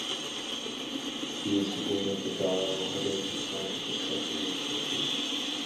He is the dean of the Dar Al Hadith Scientific Cultural Institute.